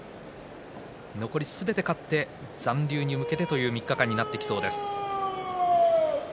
残りすべて勝って残留に向けてという３日間になってきそうです。